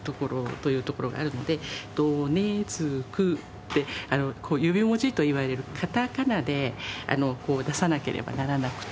というところがあるので「ドネツク」ってこう指文字といわれるカタカナで出さなければならなくて。